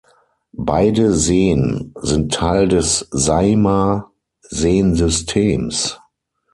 Beide Seen sind Teil des Saimaa-Seensystems.